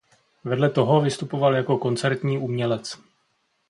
Vedle toho vystupoval jako koncertní umělec.